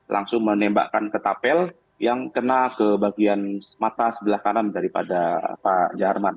langsung menembakkan ke tapel yang kena ke bagian mata sebelah kanan daripada pak jaharman